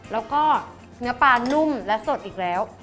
แล้วก็เนื้อปลานุ่มและสดอีกแล้ว